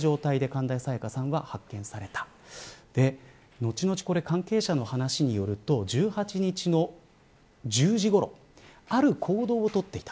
のちのち関係者の話によると１８日の１０時ごろある行動を取っていた。